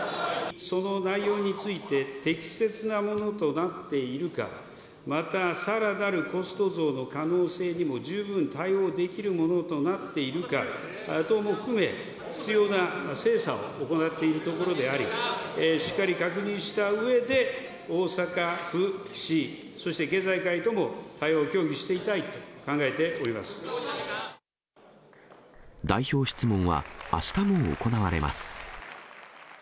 その内容について、適切なものとなっているか、またさらなるコスト増の可能性にも十分対応できるものとなっているか等も含め、必要な精査を行っているところであり、しっかり確認したうえで、大阪府、市、そして経済界とも対応を協議して代表質問はあしたも行われます。